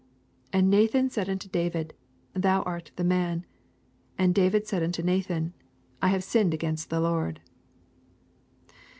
'And Nathan said unto David, Thou art the man. And David said unto Nathan, I have sinned against the Lord.'